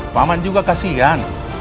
pak man juga kasihan